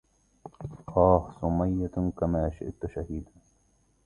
آه سميه كما شئت شهيدا